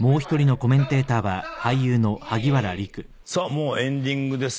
もうエンディングです。